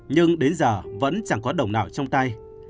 nhưng đến giờ vẫn chẳng có đồng nào trong tay